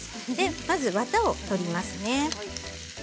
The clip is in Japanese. まずわたを取りますね。